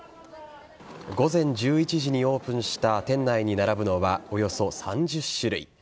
午前１１時にオープンした店内に並ぶのはおよそ３０種類。